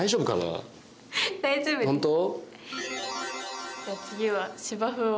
本当？